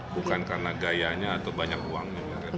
bukan karena gayanya atau banyak uangnya